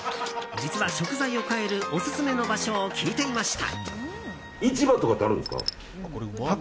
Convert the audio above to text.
実は、食材を買えるオススメの場所を聞いていました。